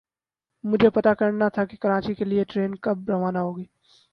مجھے پتا کرنا تھا کے کراچی کےلیے ٹرین کب روانہ ہو گی۔